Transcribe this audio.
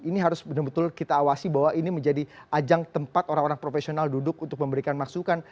ini harus benar benar kita awasi bahwa ini menjadi ajang tempat orang orang profesional duduk untuk memberikan masukan